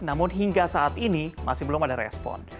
namun hingga saat ini masih belum ada respon